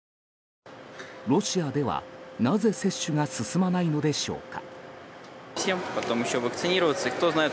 ロシアでは、なぜ接種が進まないのでしょうか。